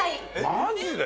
マジで？